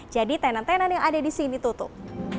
jadi tenan tenan yang ada di sini tutup